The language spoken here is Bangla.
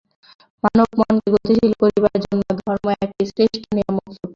মানব-মনকে গতিশীল করিবার জন্য ধর্ম একটি শ্রেষ্ঠ নিয়ামক শক্তি।